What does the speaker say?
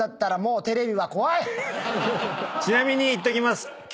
ちなみに言っときます。